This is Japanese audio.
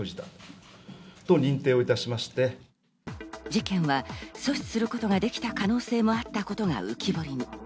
事件は阻止することができた可能性もあったことが浮き彫りに。